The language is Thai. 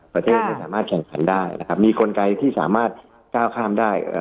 ประเทศไม่สามารถแข่งขันได้นะครับมีกลไกที่สามารถก้าวข้ามได้เอ่อ